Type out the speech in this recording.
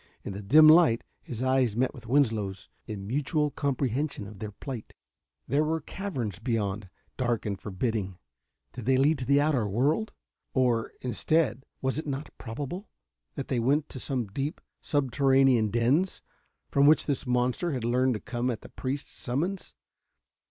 In the dim light his eyes met with Winslow's in mutual comprehension of their plight. There were caverns beyond, dark and forbidding. Did they lead to the outer world? Or, instead, was it not probable that they went to some deep, subterranean dens, from which this monster had learned to come at the priests' summons?